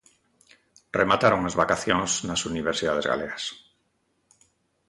Remataron as vacacións nas universidades galegas.